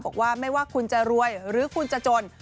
บอกว่าไม่ว่าคุณจะรวยหรือคุณจะจน